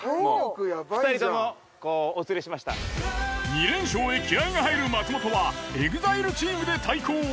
２連勝へ気合いが入る松本はＥＸＩＬＥチームで対抗。